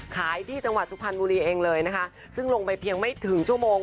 ขายที่จังหวัดสุพรรณบุรีเองเลยนะคะซึ่งลงไปเพียงไม่ถึงชั่วโมง